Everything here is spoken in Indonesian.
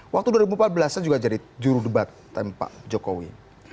waktu dua ribu empat belas saya juga jadi juru debat dengan pak jokowi